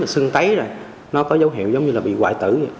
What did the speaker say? xưng tấy rồi nó có dấu hiệu giống như là bị quại tử